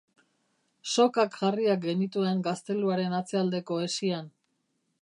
Sokak jarriak genituen gazteluaren atzealdeko hesian.